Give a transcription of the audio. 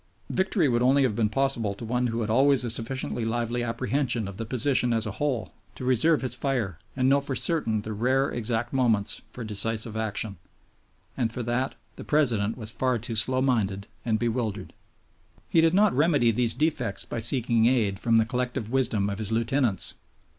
Victory would only have been possible to one who had always a sufficiently lively apprehension of the position as a whole to reserve his fire and know for certain the rare exact moments for decisive action. And for that the President was far too slow minded and bewildered. He did not remedy these defects by seeking aid from the collective wisdom of his lieutenants.